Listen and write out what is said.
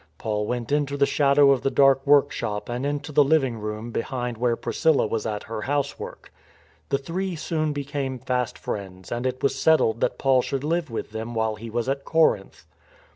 Paul went into the shadow of the dark workshop and into the living room behind where Priscilla was at her housework. The three soon became fast friends and it was settled that Paul should live with them while he was at Corinth.